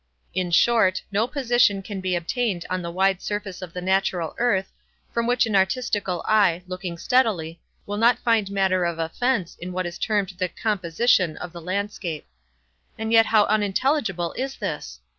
In short, no position can be attained on the wide surface of the natural earth, from which an artistical eye, looking steadily, will not find matter of offence in what is termed the "composition" of the landscape. And yet how unintelligible is this!